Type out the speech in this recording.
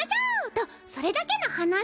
とそれだけの話。